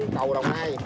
cầu đồng nai